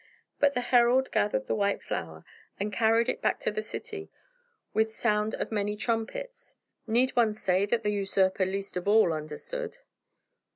But the herald gathered the white flower and carried it back to the city, with sound of many trumpets. Need one say that the usurper least of all understood?